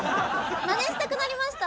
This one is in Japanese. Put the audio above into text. マネしたくなりました。